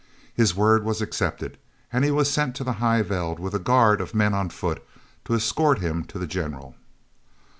His word was accepted, and he was sent to the High Veld with a guard of men on foot to escort him to the General.